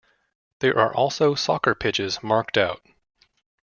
There are also soccer pitches marked out.